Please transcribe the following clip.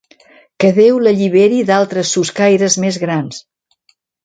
Que Déu l'alliberi d'altres soscaires més grans!